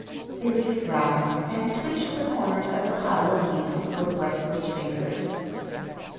Billy frowned, and twitched the corners of a pile of music, with restless fingers.